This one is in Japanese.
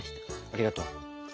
ありがとう。